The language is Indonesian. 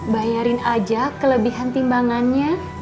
bayarin aja kelebihan timbangannya